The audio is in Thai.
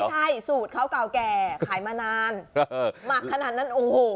ใช่สูตรเขาเก่าแก่ขายมานานหมักขนาดนั้นโอ้โห